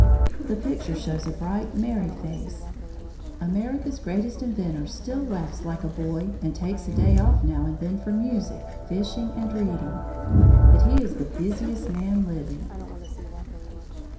The picture shows a bright, merry face. America's greatest inventor still laughs like a boy and takes a day off now and then for music, fishing, and reading. But he is the busiest man living.